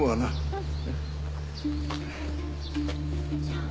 うん。